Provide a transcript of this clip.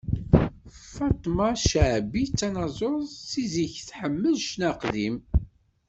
Faṭma Caɛbi, d tanaẓurt, si zik-is tḥemmel ccna aqdim.